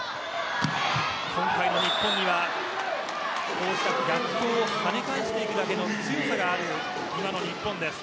今回も日本には逆境を跳ね返していくだけの強さがある日本です。